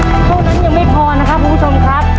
เท่านั้นยังไม่พอนะครับคุณผู้ชมครับ